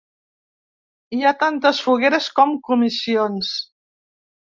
Hi ha tantes fogueres com comissions.